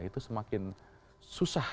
itu semakin susah